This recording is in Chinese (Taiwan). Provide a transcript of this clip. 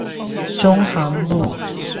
中航路